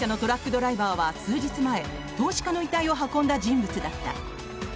ドライバーは数日前投資家の遺体を運んだ人物だった。